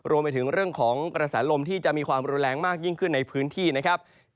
รวมไปถึงเรื่องของกระแสลมที่จะมีความรุนแรงมากยิ่งขึ้นในพื้นที่นะครับ